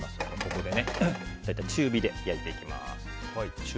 ここで大体中火で焼いていきます。